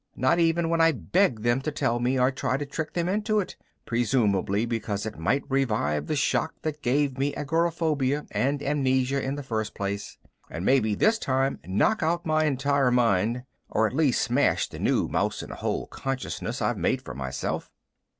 Not even when I beg them to tell me or try to trick them into it, presumably because it might revive the shock that gave me agoraphobia and amnesia in the first place, and maybe this time knock out my entire mind or at least smash the new mouse in a hole consciousness I've made for myself.